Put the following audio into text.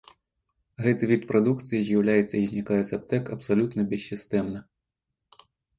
Гэты від прадукцыі з'яўляецца і знікае з аптэк абсалютна бессістэмна.